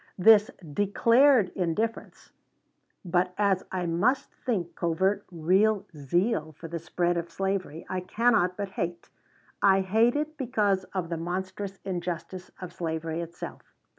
"This declared indifference, but as I must think covert real zeal for the spread of slavery, I cannot but hate. I hate it because of the monstrous injustice of slavery itself.